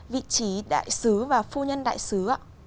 vị trí đại sứ và phu nhân đại sứ